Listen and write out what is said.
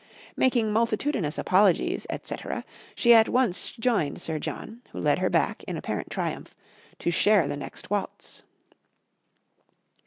Making multitudinous apologies, etc., she at once joined Sir John, who led her back, in apparent triumph, to share the next waltz.